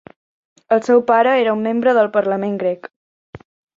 El seu pare era un membre del Parlament grec.